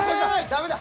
ダメだ。